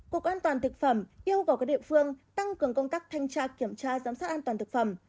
cục an toàn thực phẩm yêu cầu các địa phương tăng cường công tác thanh tra kiểm tra giám sát an toàn thực phẩm